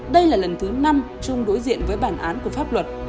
đây là lần thứ năm trung đối diện với bản án của pháp luật